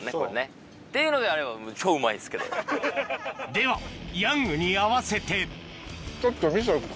ではヤングに合わせてちょっと。